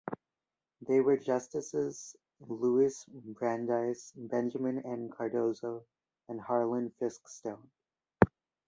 They were Justices Louis Brandeis, Benjamin N. Cardozo, and Harlan Fiske Stone.